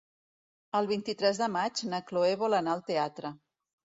El vint-i-tres de maig na Chloé vol anar al teatre.